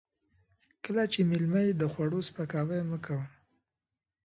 کله چې مېلمه يې د خوړو سپکاوی مه کوه.